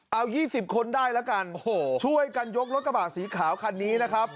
เอา๒๐คนได้แล้วกันช่วยกันยกรถกระบะสีขาวคันนี้นะครับ